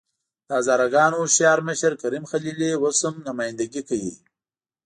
د هزاره ګانو هوښیار مشر کریم خلیلي اوس هم نمايندګي کوي.